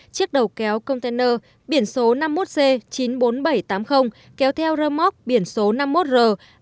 chiếc đầu kéo container biển số năm mươi một c chín mươi bốn nghìn bảy trăm tám mươi kéo theo rơm móc biển số năm mươi một r ba mươi hai nghìn ba trăm bốn mươi chín